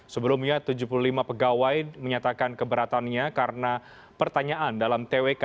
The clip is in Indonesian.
sebelumnya tujuh puluh lima pegawai menyatakan keberatannya karena pertanyaan dalam twk